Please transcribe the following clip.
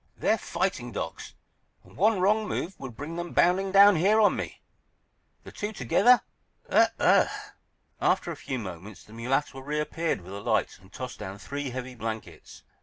"They're fighting dogs, and one wrong move would bring them bounding down here on me—the two together. Ugh gh!" After a few moments the mulatto reappeared with a light and tossed down three heavy blankets.